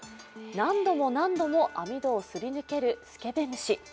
何度も何度も網戸をすり抜けるスケベ虫。